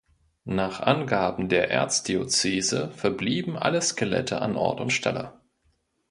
Nach Angaben der Erzdiözese verblieben alle Skelette an Ort und Stelle.